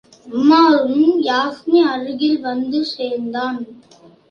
உமாரும், யாஸ்மி அருகில் வந்து சேர்ந்தான்.